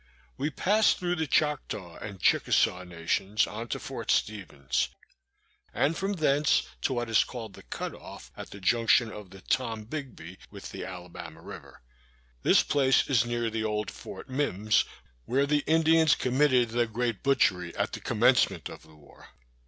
We passed through the Choctaw and Chickesaw nations, on to Fort Stephens, and from thence to what is called the Cut off, at the junction of the Tom Bigby with the Alabama river. This place is near the old Fort Mimms, where the Indians committed the great butchery at the commencement of the war.